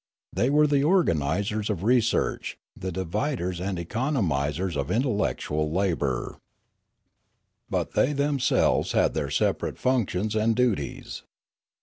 They were the organisers of research, the dividers and economisers of intellectual labour. But they themselves had their separate functions and duties.